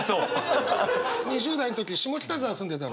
２０代の時下北沢住んでたの。